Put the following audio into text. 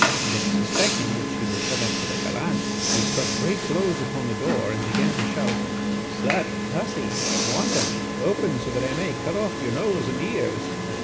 Then suspecting that she was shut up with a gallant, he struck great blows upon the door and began to shout 'Slut! hussy! wanton! open so that I may cut off your nose and ears!